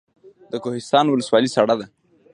د کوهستان ولسوالۍ سړه ده